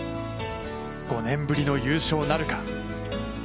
５年ぶりの優勝なるか。